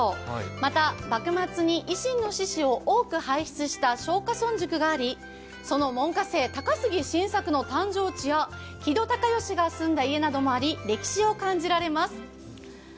また、幕末に維新の志士を多く輩出した松下村塾がありその門下生、高杉晋作の誕生地や木戸孝允が住んだ家などもあり歴史を感じられます。